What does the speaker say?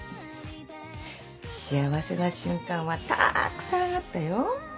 幸せな瞬間はたくさんあったよ。